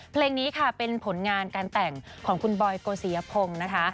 เพลงนี้ค่ะเป็นผลงานการแต่งของคุณบอยโกศียพงศ์นะคะ